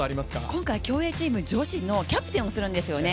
今回、競泳チーム女子のキャプテンをするんですよね。